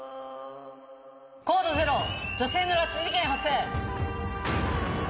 コードゼロ女性の拉致事件発生。